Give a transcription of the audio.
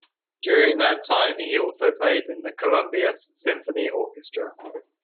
During that time he also played in the Columbia Symphony Orchestra.